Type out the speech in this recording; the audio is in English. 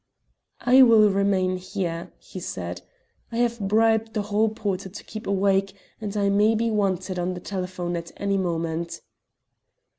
"I will remain here," he said. "I have bribed the hall porter to keep awake, and I may be wanted on the telephone at any moment."